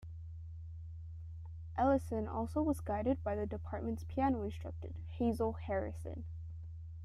Ellison also was guided by the department's piano instructor, Hazel Harrison.